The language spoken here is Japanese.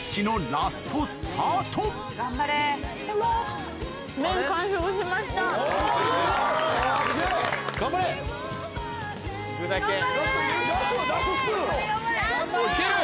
・・ラストスプーン・いける？